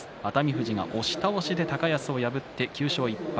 富士が押し倒しで高安を破って９勝１敗。